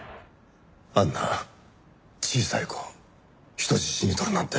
あんな小さい子を人質にとるなんて！